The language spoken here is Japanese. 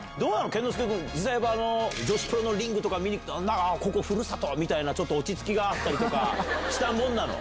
健之介君、実際、女子プロのリングとか見に行くと、ああ、ここふるさとみたいなちょっと落ち着きがあったりとかしたもんなの？